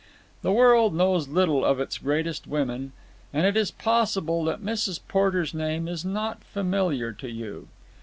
The world knows little of its greatest women, and it is possible that Mrs. Porter's name is not familiar to you.